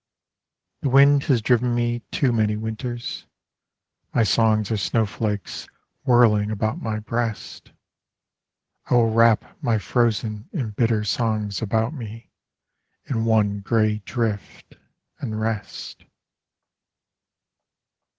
The wind has driven me too many winters, My songs are snowflakes whirling about my breast. I will wrap my frozen and bitter songs about me, In one grey drift, and rest.